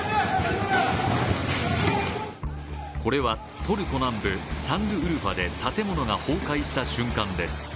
これは、トルコ南部シャンルウルファで建物が崩壊した瞬間です。